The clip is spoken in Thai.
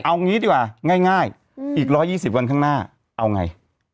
เอางี้ดีกว่าง่ายอีก๑๒๐วันข้างหน้าเอาไง